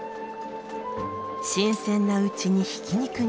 新鮮なうちにひき肉に。